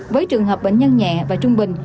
với trường hợp bệnh nhân nhẹ và trung bình